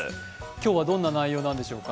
今日はどんな内容なんでしょうか？